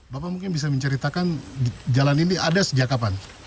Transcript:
bapak mungkin bisa menceritakan jalan ini ada sejak kapan